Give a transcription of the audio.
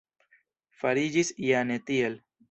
Fariĝis ja ne tiel.